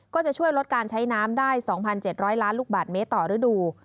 ก็จะช่วยลดการใช้น้ำได้๒๗๐๐ล้านลูกบาทเมตรต่อฤดู